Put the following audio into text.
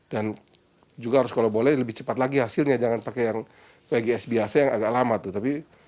dan juga harus kalau boleh lebih cepat lagi hasilnya jangan pakai yang wgs biasa yang agak lama